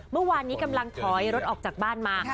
เมื่อวานนี้กำลังถอยรถออกจากบ้านมา